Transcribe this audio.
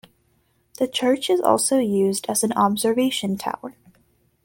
The church is also used as an observation tower.